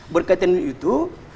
berkaitan dengan itu